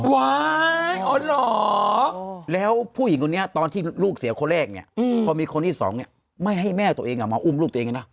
ว้ายอ๋อเหรอแล้วผู้หญิงคนนี้ตอนที่ลูกเสียคนแรกเนี่ยพอมีคนที่สองเนี่ยไม่ให้แม่ตัวเองมาอุ้มลูกตัวเองเลยนะ